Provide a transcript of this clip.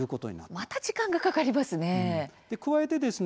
また時間がかかりますね。